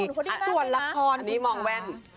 ส่วนลัครเธอขนาดอันนี้มองแว่น